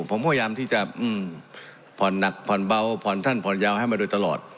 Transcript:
ผมพยายามที่จะผ่อนหนักผ่อนเบาผ่อนท่านผ่อนยาวให้มาโดยตลอด